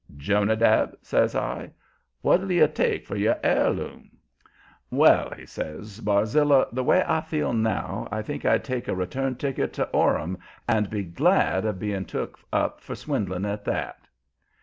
"Jonadab," says I, "what'll you take for your heirloom?" "Well," he says, "Barzilla, the way I feel now, I think I'd take a return ticket to Orham and be afraid of being took up for swindling at that."